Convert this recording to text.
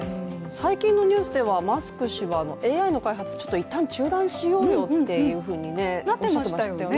最近のニュースでは、マスク氏はＡＩの開発ちょっと一旦中断しようよっておっしゃっていましたよね。